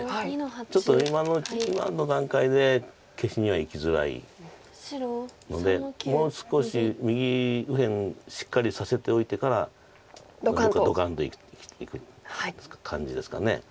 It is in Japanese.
ちょっと今の段階で消しにはいきづらいのでもう少し右辺しっかりさせておいてからドカンといく感じですか。